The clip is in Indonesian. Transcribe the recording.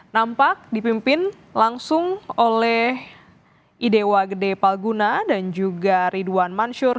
nampak dipimpin langsung oleh idewa gede palguna dan juga ridwan mansur